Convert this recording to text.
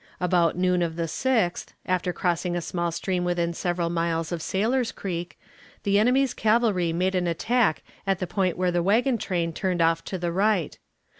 About noon of the 6th, after crossing a small stream within several miles of Sailor's Creek, the enemy's cavalry made an attack at the point where the wagon train turned off to the right.